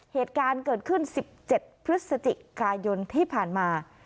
เหตุการณ์เกิดขึ้น๑๗พฤศจิกายนที่ผ่านมา